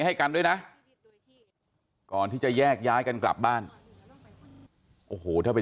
ให้กันด้วยนะก่อนที่จะแยกย้ายกันกลับบ้านโอ้โหถ้าไป